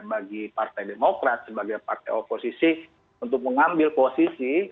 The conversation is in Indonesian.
dan bagi partai demokrat sebagai partai oposisi untuk mengambil posisi